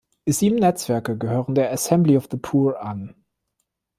Sieben Netzwerke gehören der Assembly of the Poor an.